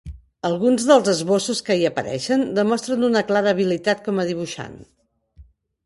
Alguns dels esbossos que hi apareixen demostren una clara habilitat com a dibuixant.